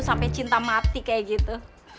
sampai cinta mati kayak gitu